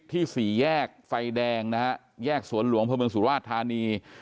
สี่แยกไฟแดงนะฮะแยกสวนหลวงพระเมืองสุราชธานี